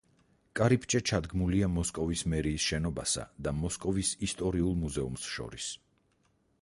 კარიბჭე ჩადგმულია მოსკოვის მერიის შენობასა და მოსკოვის ისტორიულ მუზეუმს შორის.